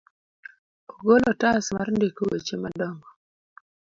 Ogolo otas mar ndiko weche madongo.